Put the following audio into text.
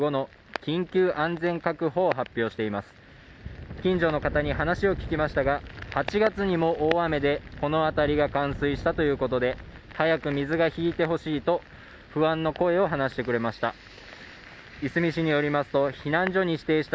近所の方に話を聞きましたが、８月にも大雨でこの辺りが冠水したということで早く水が引いてほしいと不安の声を話してくれました。